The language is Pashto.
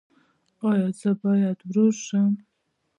ایا زه باید ورور شم؟